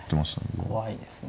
怖いですね